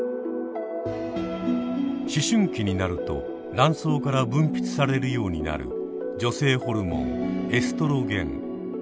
思春期になると卵巣から分泌されるようになる女性ホルモンエストロゲン。